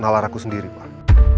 nalar aku sendiri pak